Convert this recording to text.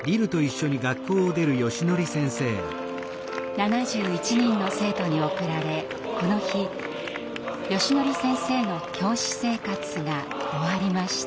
７１人の生徒に送られこの日よしのり先生の教師生活が終わりました。